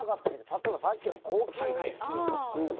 例えばさっきの高級ウイスキーのボトルとかね。